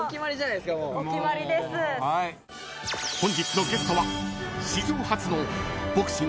［本日のゲストは］